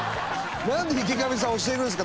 なんで池上さん教えるんですか？